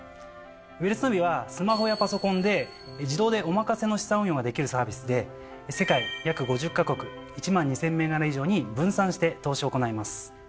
「ウェルスナビ」はスマホやパソコンで自動でお任せの資産運用ができるサービスで世界約５０カ国１万２，０００銘柄以上に分散して投資を行います。